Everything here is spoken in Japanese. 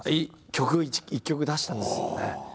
曲１曲出したんですよね。